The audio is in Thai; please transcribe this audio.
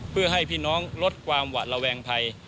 เพื่อให้พี่น้องลดความหวัดระแวงภัย